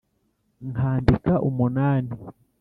nkandika umunani